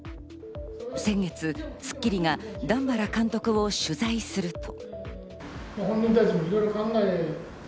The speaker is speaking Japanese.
先月『スッキリ』が段原監督を取材すると。